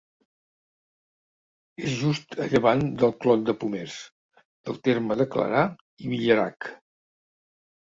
És just a llevant del Clot de Pomers, del terme de Clarà i Villerac.